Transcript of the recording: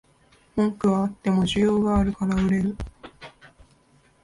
文句はあっても需要があるから売れる